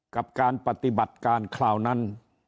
กับการปฏิบัติการคราวนั้น